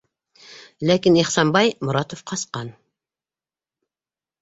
Ләкин Ихсанбай Моратов ҡасҡан.